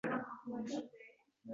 sochingni oʼstirmoq tovonga qadar